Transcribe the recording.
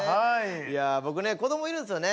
いや僕ね子どもいるんですよね。